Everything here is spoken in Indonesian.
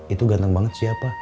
itu ganteng banget siapa